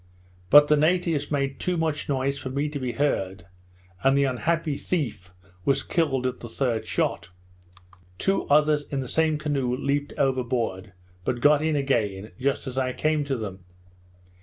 But the natives made too much noise for me to be heard, and the unhappy thief was killed at the third shot. Two others in the same canoe leaped overboard, but got in again just as I came to them.